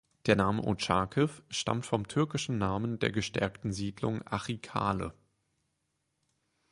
Der Name Otschakiw stammt vom türkischen Namen der gestärkten Siedlung Achi-Kale.